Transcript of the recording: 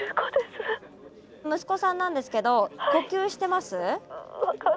息子さんなんですけど呼吸してます？